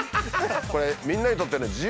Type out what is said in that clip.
これみんなにとってね